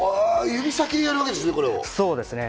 指先でやるわけですね。